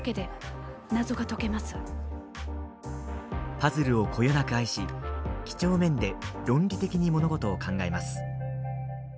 パズルをこよなく愛しきちょうめんで論理的に物事を考えます。